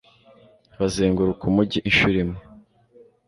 bazenguruka umugi incuro imwe